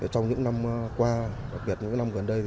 trong những năm qua đặc biệt những năm gần đây